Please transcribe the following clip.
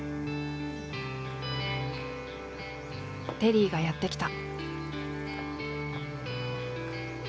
テリーがやって来た。